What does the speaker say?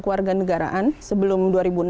keluarga negaraan sebelum dua ribu enam belas